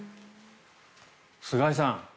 菅井さん